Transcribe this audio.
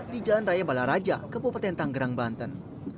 di jalan raya balaraja kepupaten tanggerang banten